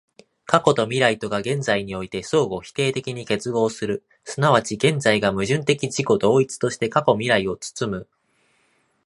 過去と未来とが現在において相互否定的に結合する、即ち現在が矛盾的自己同一として過去未来を包む、